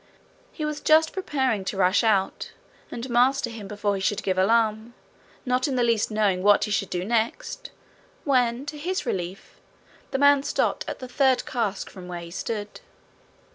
He was just preparing to rush out, and master him before he should give alarm, not in the least knowing what he should do next, when, to his relief, the man stopped at the third cask from where he stood.